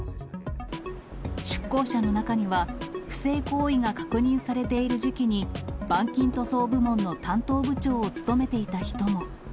出向者の中には、不正行為が確認されている時期に、板金塗装部門の担当部長を務めていた人も。